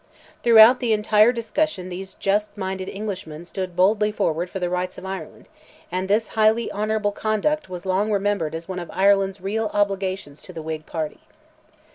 Throughout the entire discussion these just minded Englishmen stood boldly forward for the rights of Ireland, and this highly honourable conduct was long remembered as one of Ireland's real obligations to the Whig party.